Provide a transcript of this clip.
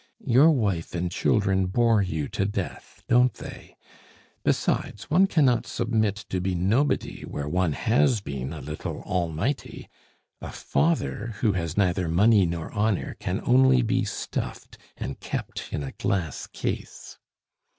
Your wife and children bore you to death, don't they? Besides, one cannot submit to be nobody where one has been a little Almighty. A father who has neither money nor honor can only be stuffed and kept in a glass case."